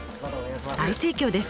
大盛況です。